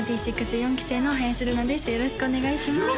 よろしくお願いします